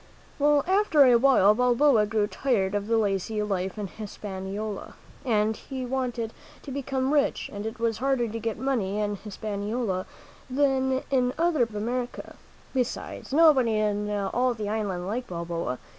Well, after a while, Balboa grew tired of the lazy life in Hispaniola. He wanted to become rich, and it was harder to get money in His paniola than in other parts of America. Besides, nobody in all the island liked Balboa.